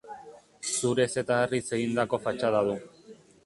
Zurez eta harriz egindako fatxada du.